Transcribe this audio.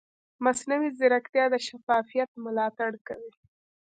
مصنوعي ځیرکتیا د شفافیت ملاتړ کوي.